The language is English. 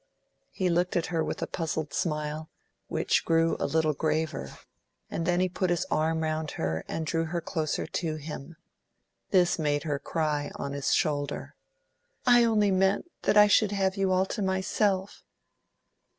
He looked at her with a puzzled smile, which grew a little graver, and then he put his arm round her and drew her closer to him. This made her cry on his shoulder. "I only meant that I should have you all to myself."